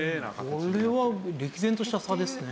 これは歴然とした差ですね。